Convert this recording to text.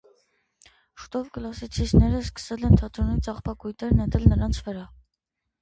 Շուտով կլասիցիստները սկսել են թատրոնից աղբակույտեր նետել նրանց վրա։